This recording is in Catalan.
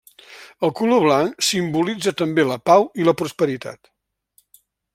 El color blanc simbolitza també la pau i la prosperitat.